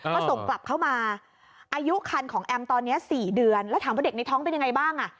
ก็ส่งกลับเข้ามาอายุคันของแอมตอนนี้๔เดือนแล้วถามว่าเด็กในท้องเป็นยังไงบ้างอ่ะ